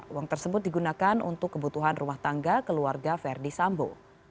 uang tersebut digunakan untuk kebutuhan rumah tangga keluarga ferdi sambo